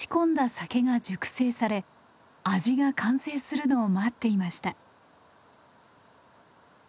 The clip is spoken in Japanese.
酒が熟成され味が完成するのを待っていました。